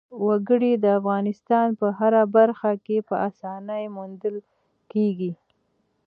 وګړي د افغانستان په هره برخه کې په اسانۍ موندل کېږي.